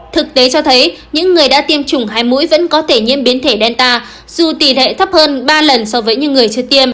thực tế cho thấy những người đã tiêm chủng hai mũi vẫn có thể nhiễm biến thể danta dù tỷ lệ thấp hơn ba lần so với những người chưa tiêm